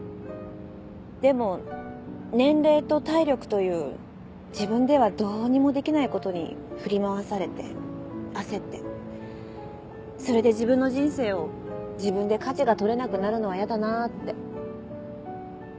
でも年齢と体力という自分ではどうにもできないことに振り回されて焦ってそれで自分の人生を自分で舵が取れなくなるのは嫌だなって。